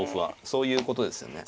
そういうことですよね。